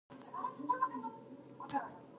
که موږ یو بل ته لاس ورکړو نو ژوند به اسانه شي.